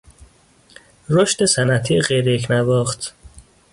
رشد صنعتی غیریکنواخت